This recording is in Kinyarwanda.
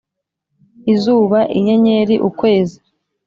izuba, inyenyeri, ukwezi.